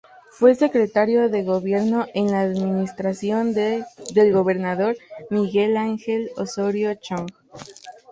Fue secretario de gobierno en la administración del gobernador Miguel Ángel Osorio Chong.